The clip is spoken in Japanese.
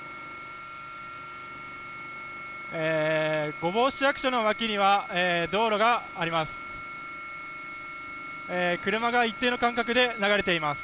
御坊市役所の脇には道路があります。